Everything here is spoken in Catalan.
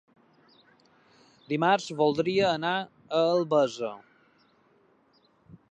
Dimarts voldria anar a Albesa.